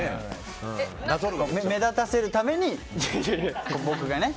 目立たせるために僕がね。